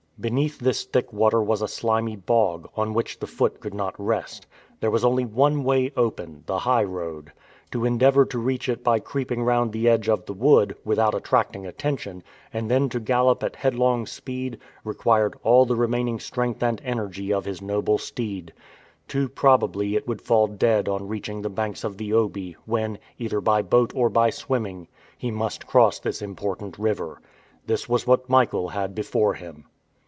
Beneath this thick water was a slimy bog, on which the foot could not rest. There was only one way open, the high road. To endeavor to reach it by creeping round the edge of the wood, without attracting attention, and then to gallop at headlong speed, required all the remaining strength and energy of his noble steed. Too probably it would fall dead on reaching the banks of the Obi, when, either by boat or by swimming, he must cross this important river. This was what Michael had before him.